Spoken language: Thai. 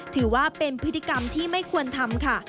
ถือว่าเป็นพฤติกรรมที่ไม่ควรทำค่ะ